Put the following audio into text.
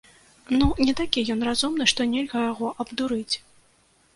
Ну, не такі ён разумны, што нельга яго абдурыць.